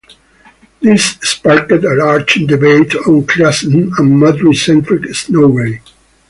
This sparked a large debate on classism and Madrid-centric snobbery.